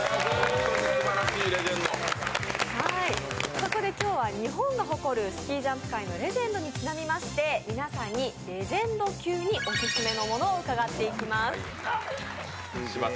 そこで今日は日本が誇るスキージャンプ界のレジェンドにちなみまして皆さんにレジェンド級にオススメのものを伺っていきます。